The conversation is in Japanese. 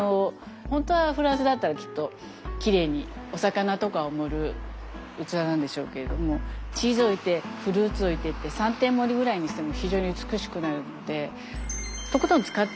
本当はフランスだったらきっとキレイにお魚とかを盛る器なんでしょうけれどもチーズ置いてフルーツ置いてって三点盛りぐらいにしても非常に美しくなるのでとことん使ってみる。